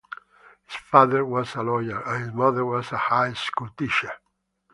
His father was a lawyer and his mother was a high school teacher.